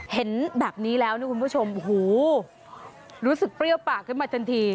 เห็นแบบนี้แล้วนะคุณผู้ชมโอ้โหรู้สึกเปรี้ยวปากขึ้นมาทันที